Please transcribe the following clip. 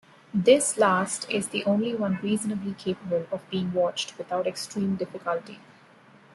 This last is the only one reasonably capable of being watched without extreme difficulty.